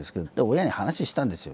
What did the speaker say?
親に話したんですよ。